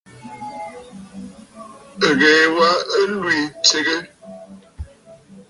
Ɨ́ɣèè wā ɨ́ í tʃégə́.